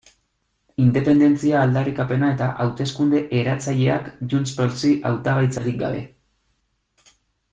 Independentzia aldarrikapena eta hauteskunde eratzaileak JxSí hautagaitzarik gabe.